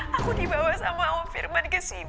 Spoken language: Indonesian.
aku dibawa sama om firman kesini